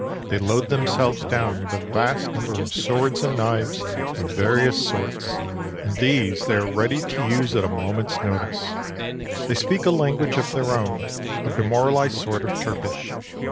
They load themselves down with a vast number of swords and knives of various sorts, and these they are ready to use at a moment's notice. They speak a language of their own, a demoralized sort of Turkish.